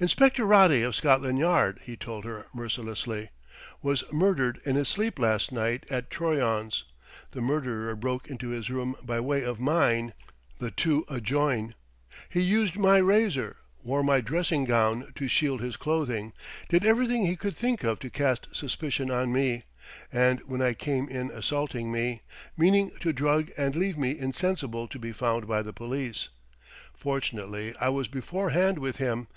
"Inspector Roddy of Scotland Yard," he told her mercilessly, "was murdered in his sleep last night at Troyon's. The murderer broke into his room by way of mine the two adjoin. He used my razor, wore my dressing gown to shield his clothing, did everything he could think of to cast suspicion on me, and when I came in assaulted me, meaning to drug and leave me insensible to be found by the police. Fortunately I was beforehand with him.